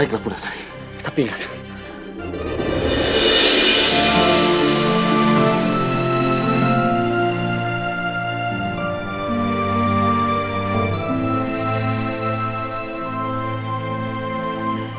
baiklah punah sari tapi ingat